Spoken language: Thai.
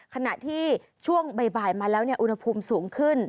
ขณะที่ช่วงบ่ายมาแล้วอุณหภูมิสูงขึ้น